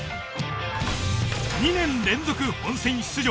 ２年連続本選出場。